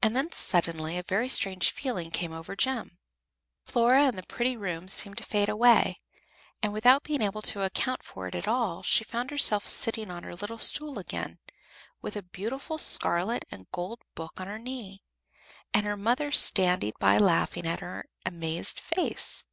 And then, suddenly, a very strange feeling came over Jem. Flora and the pretty room seemed to fade away, and, without being able to account for it at all, she found herself sitting on her little stool again, with a beautiful scarlet and gold book on her knee, and her mother standing by laughing at her amazed face.